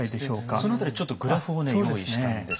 その辺りちょっとグラフを用意したんですけれども。